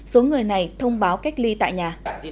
số người này thông báo cách ly tại nhà